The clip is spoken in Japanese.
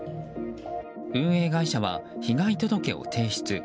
運営会社は被害届を提出。